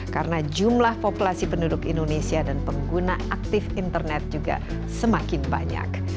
karena jumlah populasi penduduk indonesia dan pengguna aktif internet juga semakin banyak